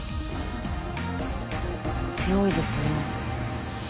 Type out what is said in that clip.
強いですね。